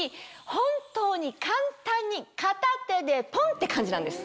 本当に簡単に片手でポン‼って感じなんです。